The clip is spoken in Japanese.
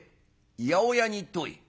「八百屋に行ってこい」。